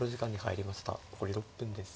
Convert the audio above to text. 残り６分です。